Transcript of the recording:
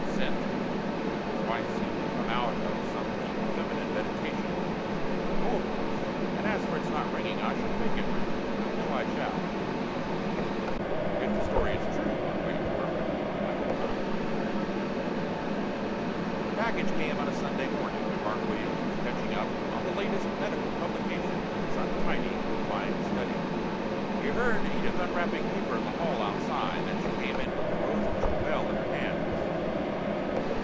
"Sent?" His wife seemed to come out of some deep feminine meditation. "Oh, of course. And as for its not ringing I shall make it ring. I know I shall." "If the story is true," Mark Williams murmured, "I hope not...." The package came on a Saturday morning, when Mark Williams was catching up on the latest medical publications in his untidy, book lined study. He heard Edith unwrapping paper in the hall outside. Then she came in with the rose crystal bell in her hands.